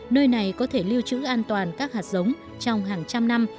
nơi này có thể lưu trữ an toàn các hạt giống trong hàng trăm năm